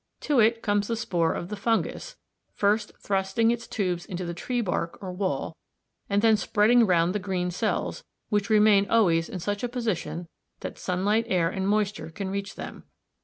To it comes the spore of the fungus f, first thrusting its tubes into the tree bark, or wall, and then spreading round the green cells, which remain always in such a position that sunlight, air, and moisture can reach them.